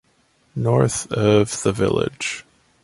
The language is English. North of the village.